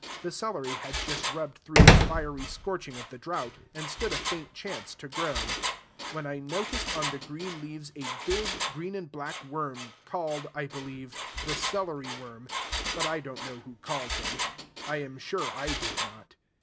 The celery had just rubbed through the fiery scorching of the drought, and stood a faint chance to grow; when I noticed on the green leaves a big green and black worm, called, I believe, the celery worm: but I don't know who called him; I am sure I did not.